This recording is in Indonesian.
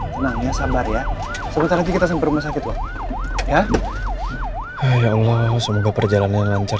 tenang ya sabar ya sebentar lagi kita sampai rumah sakit loh ya allah semoga perjalanan lancar